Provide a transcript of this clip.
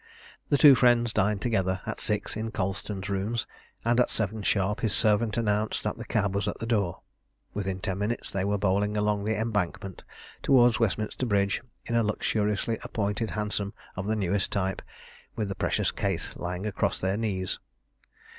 The two friends dined together at six in Colston's rooms, and at seven sharp his servant announced that the cab was at the door. Within ten minutes they were bowling along the Embankment towards Westminster Bridge in a luxuriously appointed hansom of the newest type, with the precious case lying across their knees.